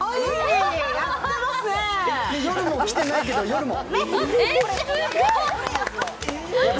夜も来てないけど、夜も。